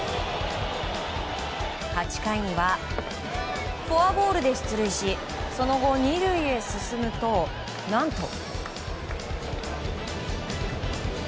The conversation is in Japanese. ８回にはフォアボールで出塁しその後、２塁へ進むと何と。